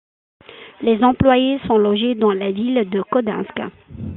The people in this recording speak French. Les employés sont logés dans la ville de Kodinsk.